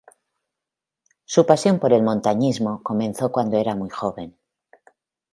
Su pasión por el montañismo comenzó cuando era muy joven.